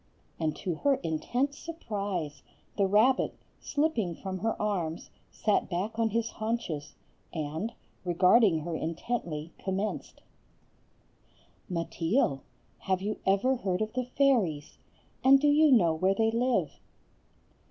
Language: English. And to her intense surprise, the rabbit, slipping from her arms, sat back on his haunches, and, regarding her intently, commenced:— "Mateel, have you ever heard of the fairies? And do you know where they live?"